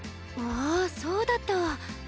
あっそうだった。